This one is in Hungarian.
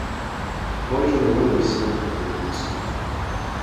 A pajzson a magyar Szent Korona nyugszik.